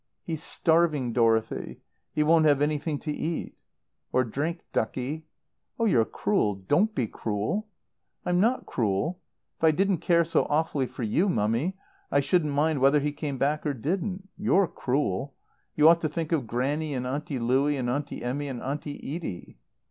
"He's starving, Dorothy. He won't have anything to eat." "Or drink, ducky." "Oh, you're cruel! Don't be cruel!" "I'm not cruel. If I didn't care so awfully for you, Mummy, I shouldn't mind whether he came back or didn't. You're cruel. You ought to think of Grannie and Auntie Louie and Auntie Emmy and Auntie Edie."